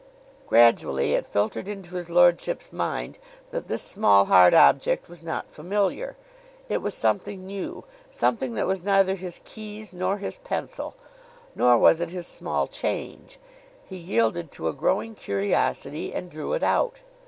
Gradually it filtered into his lordship's mind that this small, hard object was not familiar. It was something new something that was neither his keys nor his pencil; nor was it his small change. He yielded to a growing curiosity and drew it out.